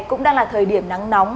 cũng đang là thời điểm nắng nóng